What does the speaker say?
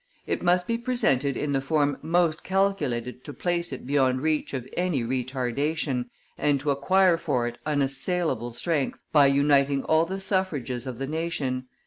It must be presented in the form most calculated. to place it beyond reach of any retardation and to acquire for it unassailable strength by uniting all the suffrages of the nation.